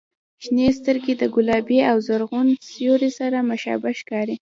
• شنې سترګې د ګلابي او زرغون سیوري سره مشابه ښکاري.